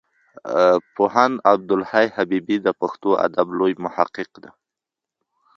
پوهاند عبدالحی حبیبي د پښتو ادب لوی محقق دی.